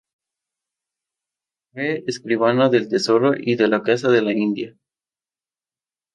Fue escribano del tesoro y de la Casa de la India.